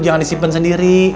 jangan disipin sendiri